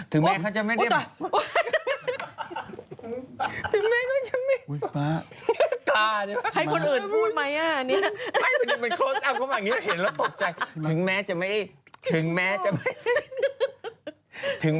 ถึงแม้เขาจะไม่ได้บอกถึงแม้เขาจะไม่ได้บอกถึงแม้เขาจะไม่ได้บอก